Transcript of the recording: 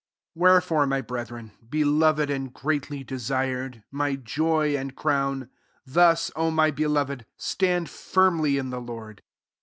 1 Wherefore, my brethren, beloved and greatly desired, my joy and crown, thus, my beloved, stand firmly in the Lord.